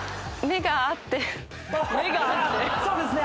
そうですね。